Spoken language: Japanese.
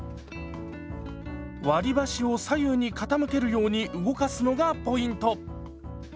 割り箸を左右に傾けるように動かすのがポイント。